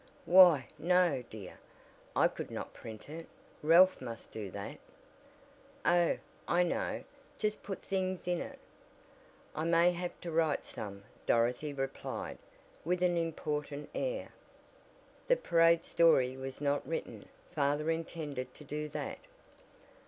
"Why, no, dear, I could not print it. Ralph must do that." "Oh, I know. Just put things in it." "I may have to write some," Dorothy replied, with an important air. "The parade story was not written. Father intended to do that."